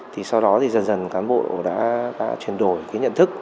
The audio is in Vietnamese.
thì sau đó thì dần dần cán bộ đã chuyển đổi cái nhận thức